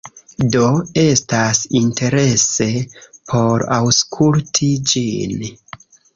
Do, estas interese por aŭskulti ĝin